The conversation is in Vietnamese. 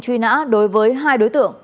truy nã đối với hai đối tượng